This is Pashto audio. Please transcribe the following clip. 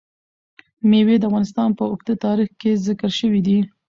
مېوې د افغانستان په اوږده تاریخ کې ذکر شوی دی.